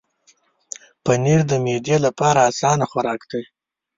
پنېر د معدې لپاره اسانه خوراک دی.